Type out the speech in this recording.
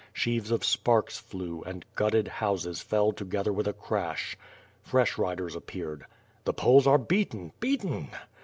Sheaves of sparks flew, and gutted houses fell together with a crash. Fresh riders appeared. The Poles are beaten! Beaten!